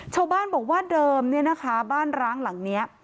ชาวบ้านบอกว่าเดิมเนี่ยนะคะบ้านร้างหลังนี้